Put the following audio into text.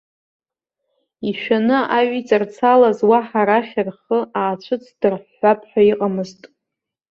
Ишәаны аҩ иҵарцалаз уаҳа арахь рхы аацәыҵдырҳәҳәап ҳәа иҟамызт.